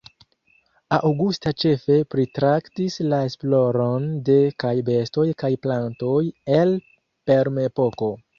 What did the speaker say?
Augusta ĉefe pritraktis la esploron de kaj bestoj kaj plantoj el perm-epoko.